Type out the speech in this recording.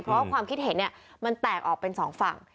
เพราะความคิดเห็นมันแตกออกเป็นสองฝั่ง